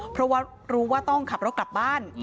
เพราะว่ารู้ว่าต้องขับรถกลับบ้าน